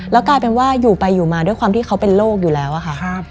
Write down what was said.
แล้วกลายเป็นว่าอยู่ไปอยู่มาด้วยความที่เขาเป็นโรคอยู่แล้วอะค่ะ